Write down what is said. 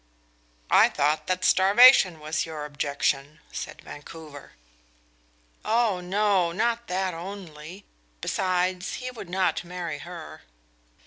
"I thought that starvation was your objection," said Vancouver. "Oh, no; not that only. Besides, he would not marry her."